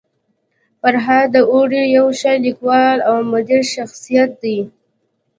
فرهاد داوري يو ښه لیکوال او مدبر شخصيت دی.